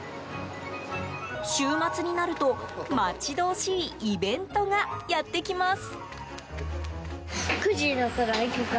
週末になると待ち遠しいイベントがやってきます。